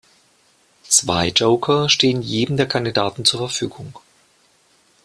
Zwei Joker stehen jedem der Kandidaten zur Verfügung.